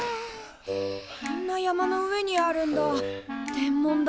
こんな山の上にあるんだ天文台。